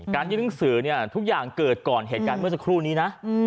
ยื่นหนังสือเนี่ยทุกอย่างเกิดก่อนเหตุการณ์เมื่อสักครู่นี้นะ